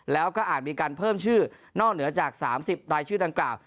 แล้วก็อาจมีการเพิ่มชื่อนอกเหนือจาก๓๐รายชื่อดังกล่าว